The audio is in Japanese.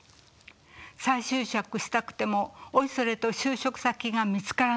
再就職したくてもおいそれと就職先が見つからない。